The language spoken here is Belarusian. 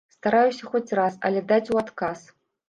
Стараюся хоць раз, але даць у адказ.